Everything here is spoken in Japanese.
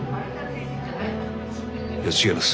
いや違います。